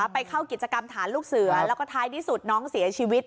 ไปเข้ากิจกรรมฐานลูกเสือแล้วก็ท้ายที่สุดน้องเสียชีวิต